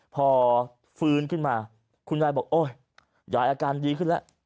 พอฟื้นขึ้นมาคุณยายบอกโอ๊ยยายอาการดีขึ้นแล้ว